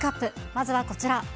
まずはこちら。